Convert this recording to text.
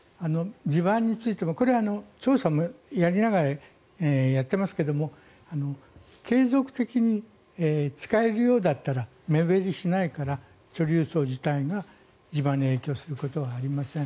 地盤についても、これは調査もやりながらやってますけど継続的に使えるようだったら目減りしないから貯留層自体が地盤に影響することはありません。